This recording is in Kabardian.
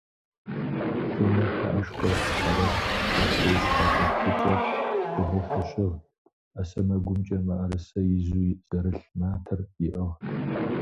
Фенэ пыӏэшхуэ щхьэрыгът, бостей щхъуэкӏэплъыкӏэр хуэбыхъуу щыгът, ӏэ сэмэгумкӏэ мыӏрысэ изу зэрлъ матэр иӏыгът.